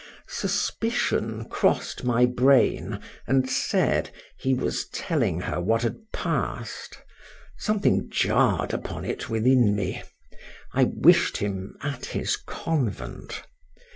Suspicion crossed my brain and said, he was telling her what had passed: something jarred upon it within me,—I wished him at his convent.